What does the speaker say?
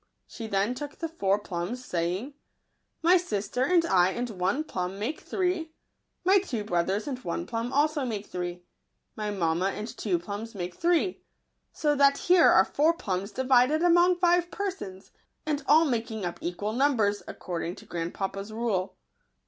She then took the four plums, saying, " My sister and I and one plum make three ; my two brothers and one plum make also three; and mamma and two plums make three : so that here are four plums divided among five persons, and all making up equal numbers, according to grand papa's rule."